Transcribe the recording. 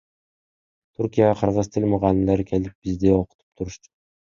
Түркияга кыргыз тил мугалимдери келип бизди окутуп турушчу.